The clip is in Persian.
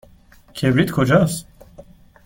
کبریت کجاست؟